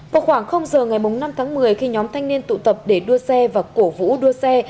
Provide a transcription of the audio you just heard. vào khoảng giờ ngày năm tháng một mươi khi nhóm thanh niên tụ tập để đua xe và cổ vũ đua xe